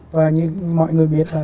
và như mọi người biết là